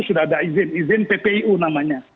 sudah ada izin izin ppu namanya